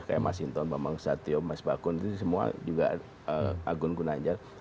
kayak mas hinton mas bang satio mas bakun semua juga agung guna aja